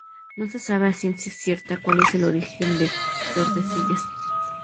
No se sabe a ciencia cierta cuál es el origen de Tordesillas.